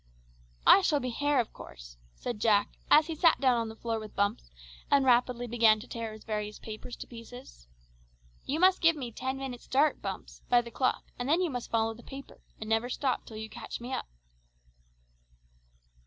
"I shall be hare, of course," said Jack as he sat down on the floor with Bumps, and rapidly began to tear his various papers to pieces. "You must give me ten minutes' start, Bumps, by the clock, and then you must follow the paper, and never stop till you catch me up."